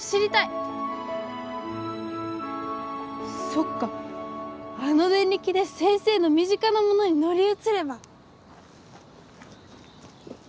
そっかあのデンリキで先生の身近なものに乗り移れば。